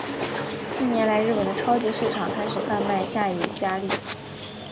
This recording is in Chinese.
近年来日本的超级市场开始贩卖下野家例。